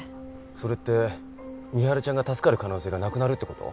それって美晴ちゃんが助かる可能性がなくなるって事？